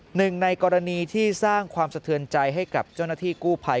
หนึ่งในกรณีที่สร้างความสะเทือนใจให้กับเจ้าหน้าที่กู้ภัย